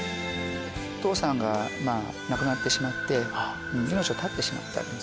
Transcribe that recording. お父さんが亡くなってしまって命を絶ってしまった。